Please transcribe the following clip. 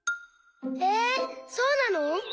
えそうなの？